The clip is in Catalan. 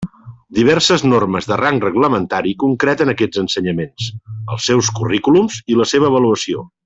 Diverses normes de rang reglamentari concreten aquests ensenyaments, els seus currículums i la seva avaluació.